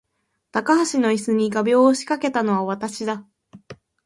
高橋の椅子に画びょうを仕掛けたのは私だ